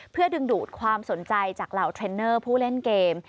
เพื่อดึงดูดความสนใจจากเหล่าเทรนเนอร์ผู้เล่นเกม